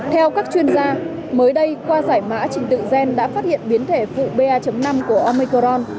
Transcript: theo các chuyên gia mới đây qua giải mã trình tự gen đã phát hiện biến thể phụ ba năm của omicron